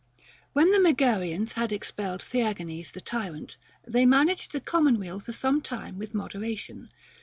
When the Megarians had expelled Thengenes the tyrant, they managed the commonweal for some time with moderation.